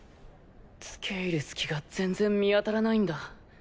付け入る隙が全然見当たらないんだ。